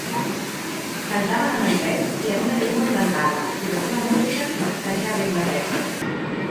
Cantaven en anglès i en una llengua inventada i la seva música tenia ritmes ètnics.